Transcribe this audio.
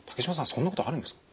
そんなことあるんですか？